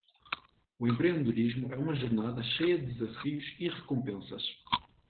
O empreendedorismo é uma jornada cheia de desafios e recompensas.